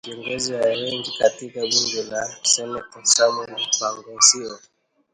Kiongozi wa wengi katika Bunge la Seneti Samwel Poggosio